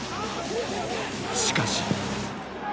しかし。